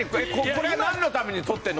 これはなんのために撮ってんの？